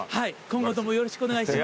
今後ともよろしくお願いします。